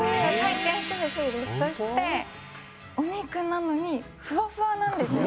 そしてお肉なのにふわふわなんですよ。